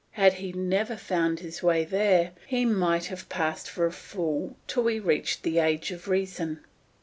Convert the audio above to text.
Had he never found his way there, he might have passed for a fool till he reached the age of reason.